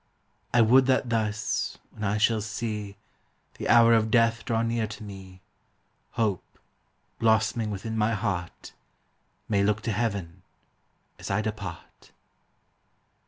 285 I would that thus, when I shall Bee The hour of death draw bear to me, Hope, blossoming within my heart, May look to heaven as I depart.